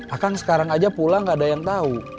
akang sekarang aja pulang gak ada yang tau